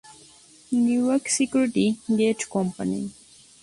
New York security gate company.